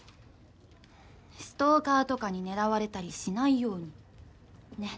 ストーカーとかに狙われたりしないようにねっ。